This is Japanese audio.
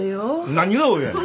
何が「およ」やねん。